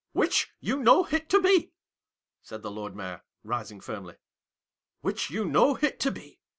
" Which you know it to be," said the Lord Mayor, rising firmly. "Which you know it to be